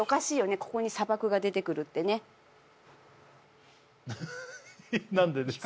ここに砂漠が出てくるってね何でですか？